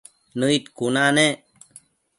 Nëid cuna nec